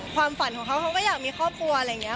ความฝันของเขาเขาก็อยากมีครอบครัวอะไรอย่างนี้